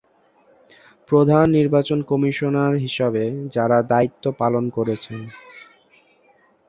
প্রধান নির্বাচন কমিশনার হিসাবে যারা দায়িত্ব পালন করেছেন।